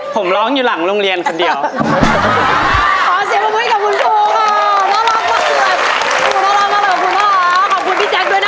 ขอบคุณพี่แจ๊คด้วยนะครับ